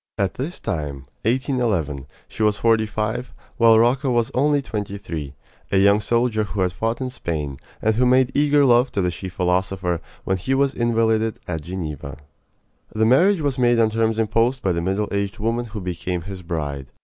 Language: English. At this time 1811 she was forty five, while Rocca was only twenty three a young soldier who had fought in Spain, and who made eager love to the she philosopher when he was invalided at Geneva. The marriage was made on terms imposed by the middle aged woman who became his bride.